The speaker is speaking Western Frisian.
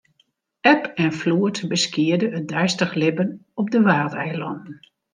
Eb en floed beskiede it deistich libben op de Waadeilannen.